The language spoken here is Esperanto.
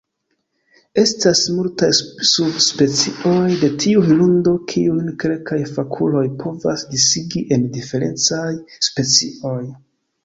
Estas multaj subspecioj de tiu hirundo, kiujn kelkaj fakuloj povas disigi en diferencaj specioj.